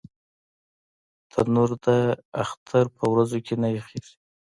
تنور د اختر پر ورځو کې نه یخېږي